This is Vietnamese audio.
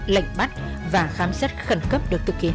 lệnh bắt và khám xét khẩn cấp được thực hiện